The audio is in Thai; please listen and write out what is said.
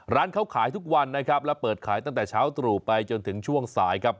ร้านเขาขายทุกวันนะครับและเปิดขายตั้งแต่เช้าตรู่ไปจนถึงช่วงสายครับ